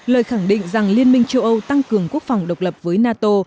lời khẳng định rằng liên minh châu âu tăng cường quốc phòng độc lập với nato